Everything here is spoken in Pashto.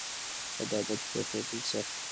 بد عادت پریښودل سخت دي.